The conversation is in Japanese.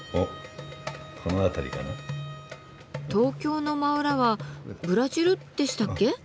東京の真裏はブラジルでしたっけ？